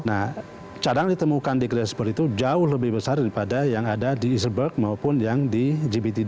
nah cadangan ditemukan di grassberg itu jauh lebih besar daripada yang ada di eastburg maupun yang di gbt